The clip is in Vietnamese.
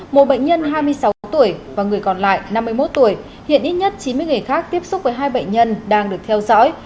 một bệnh nhân hai mươi sáu tuổi và người còn lại năm mươi một tuổi hiện ít nhất chín mươi người khác tiếp xúc với hai bệnh nhân đang được theo dõi